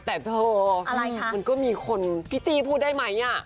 แต่เถอะมันก็มีคนพี่ซีพูดได้ไหมเนี่ย